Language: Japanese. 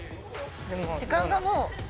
時間がもう。